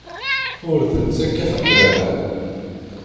Ur tettak i ḥed ala.